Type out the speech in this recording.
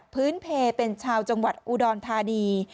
เพลเป็นชาวจังหวัดอุดรธานี